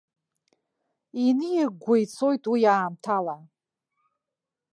Иниагәгәа ицоит уи аамҭала.